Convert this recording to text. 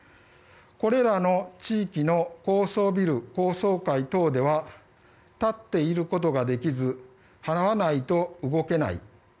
これらの地域の高層ビル高層階では立っていることができず動けない。